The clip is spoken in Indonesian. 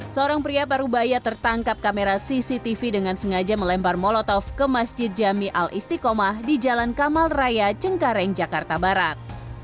seorang pria parubaya tertangkap kamera cctv dengan sengaja melempar molotov ke masjid jami al istiqomah di jalan kamal raya cengkareng jakarta barat